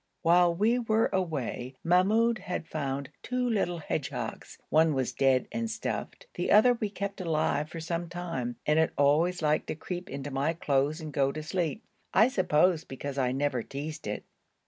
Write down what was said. While we were away Mahmoud had found two little hedgehogs. One was dead and stuffed; the other we kept alive for some time and it always liked to creep into my clothes and go to sleep I suppose because I never teased it.